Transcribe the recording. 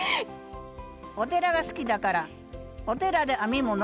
お寺が好きだからお寺で編み物？